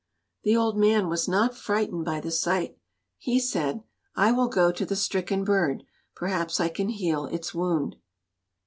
The old man was not frightened by the sight. He said, "I will go to the stricken bird; perhaps I can heal its wound."